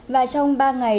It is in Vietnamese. và trong ba ngày